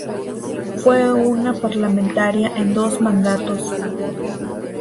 Fue una Parlamentaria en dos mandatos.